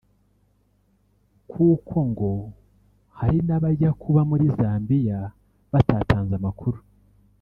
kuko ngo hari n’abajya kuba muri Zambia batatanze amakuru